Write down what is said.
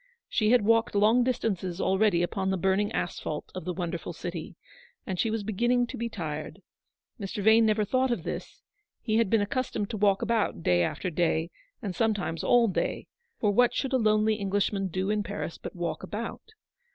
She had walked long distances already upon the burning asphalte of the wonderful city, and she was beginning to be tired. Mr. Vane never thought of this : he had been accustomed to walk about day after day, and sometimes all day — for what should a lonely Englishman do in Paris but walk about